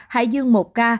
hải dương một ca